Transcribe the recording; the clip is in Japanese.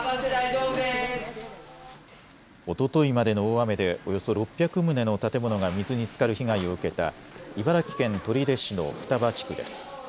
おとといまでの大雨でおよそ６００棟の建物が水につかる被害を受けた茨城県取手市の双葉地区です。